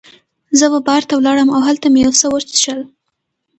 زه وه بار ته ولاړم او هلته مې یو څه وڅښل.